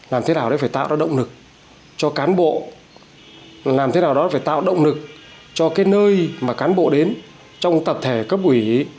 làm thế nào đó phải tạo động lực cho cán bộ làm thế nào đó phải tạo động lực cho nơi cán bộ đến trong tập thể cấp quỷ